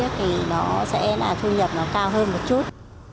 thì nó sẽ là thu nhập nó cao hơn một chút